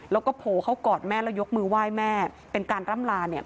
แล้วโปรเขากอดแม่แล้วยกมือไหว้แม่เป็นการรำลา